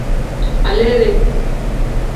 Aleere.